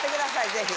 ぜひ。